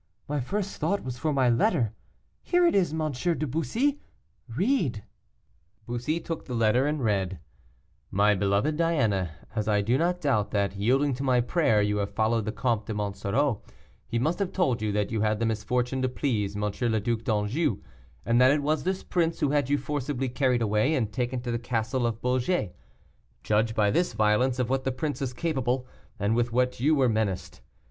My first thought was for my letter. Here it is, M. de Bussy; read." Bussy took the letter and read: "MY BELOVED DIANA As I do not doubt that, yielding to my prayer, you have followed the Comte de Monsoreau, he must have told you that you had the misfortune to please M. le Duc d'Anjou, and that it was this prince who had you forcibly carried away and taken to the castle of Beaugé; judge by this violence of what the prince is capable, and with what you were menaced.